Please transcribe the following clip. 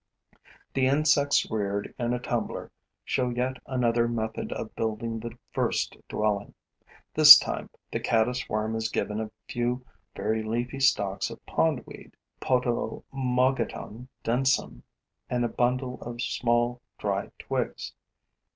The insects reared in a tumbler show yet another method of building the first dwelling. This time, the caddis worm is given a few very leafy stalks of pond weed (Potamogeton densum) and a bundle of small dry twigs.